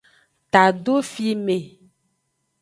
Tado fime.